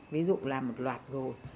ví dụ làm một loạt rồi